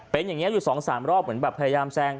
เป็นอย่างนี้อยู่๒๓รอบเหมือนแบบพยายามแซง